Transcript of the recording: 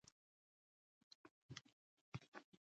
لاسلیک کولو کارونه یې ختم سول.